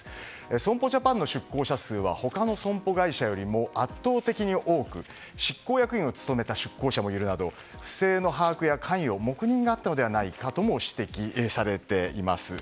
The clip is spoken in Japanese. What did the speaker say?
損保ジャパンの出向者数は他の損保会社よりも圧倒的に多く執行役員を務めた出向者もいるなど不正の把握や関与の黙認があったとも指摘されています。